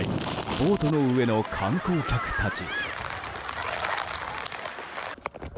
ボートの上の観光客たち。